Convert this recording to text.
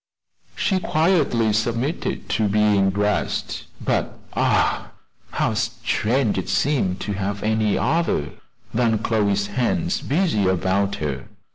She quietly submitted to being dressed; but, ah! how strange it seemed to have any other than Chloe's hands busy about her!